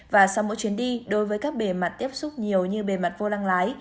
và sau mỗi chuyến đi đối với các bề mặt tiếp xúc nhiều như bề mặt vô lăng lái